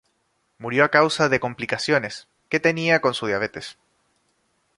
Murió a causa de complicaciones, que tenía con su diabetes.